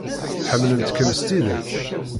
Ḥemmlent-kem s tidet.